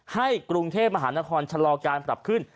กรุงเทพมหานครชะลอการปรับขึ้น